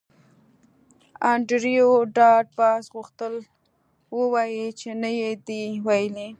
انډریو ډاټ باس غوښتل ووایی چې نه یې دی ویلي